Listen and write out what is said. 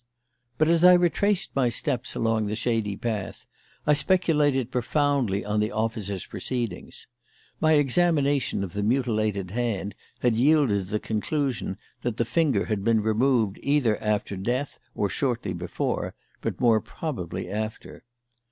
But as I retraced my steps along the shady path I speculated profoundly on the officer's proceedings. My examination of the mutilated hand had yielded the conclusion that the finger had been removed either after death or shortly before, but more probably after.